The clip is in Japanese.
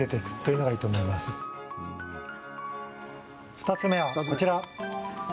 ２つ目はこちら。